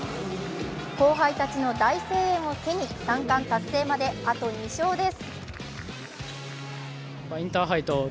後輩たちの大声援を手に３冠達成まであと２勝です。